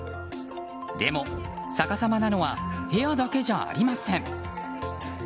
でも、逆さまなのは部屋だけじゃありません。